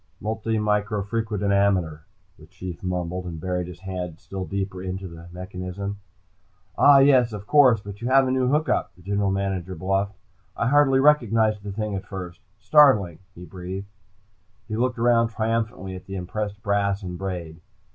"Multimicrofrequidometer," the Chief mumbled, and buried his head still deeper into the mechanism. "Ah yes, of course. But you have a new hook up," the General Manager bluffed. "I hardly recognized it at first. Startling!" he breathed. He looked around triumphantly at the impressed brass and braid.